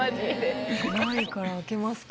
何位から開けますか？